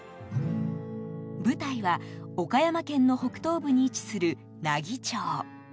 舞台は、岡山県の北東部に位置する奈義町。